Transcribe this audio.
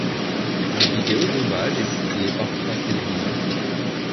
Une vidéo d'hommage est publiée par France Télévisions.